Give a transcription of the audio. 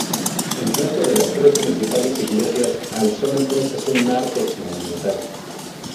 Enfrente de las tres principales iglesias, alzó entonces un nártex monumental.